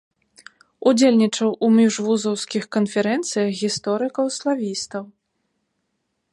Удзельнічаў у міжвузаўскіх канферэнцыях гісторыкаў-славістаў.